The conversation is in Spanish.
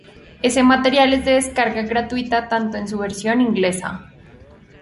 Ese material es de descarga gratuita tanto en su versión inglesa.